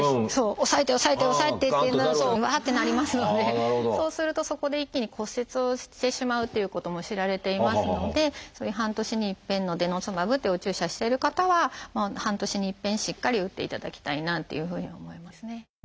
抑えて抑えて抑えてっていうのがうわってなりますのでそうするとそこで一気に骨折をしてしまうということも知られていますのでそういう半年に一遍のデノスマブというお注射してる方は半年に一遍しっかり打っていただきたいなというふうに思いますね。